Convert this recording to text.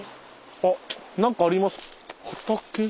あ何かあります。